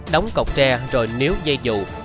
đóng cọc tre rồi níu dây dù